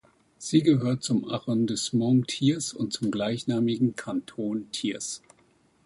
Sie gehört zum Arrondissement Thiers und zum gleichnamigen Kanton Thiers.